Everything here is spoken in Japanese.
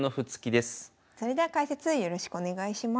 それでは解説よろしくお願いします。